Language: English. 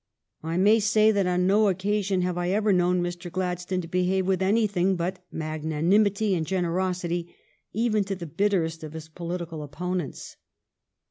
I may say that on no occasion have I ever known Mr. Gladstone to behave with anything but magnanim ity and generosity, even to the bitterest of his politi cal opponents.